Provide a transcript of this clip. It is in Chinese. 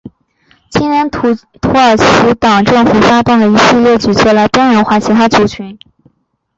青年土耳其党政府发动一系列的举措来边缘化其他族群。